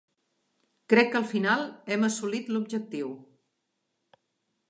Crec que al final hem assolit l'objectiu.